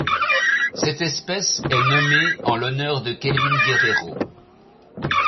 Cette espèce est nommée en l'honneur de Kelvin Guerrero.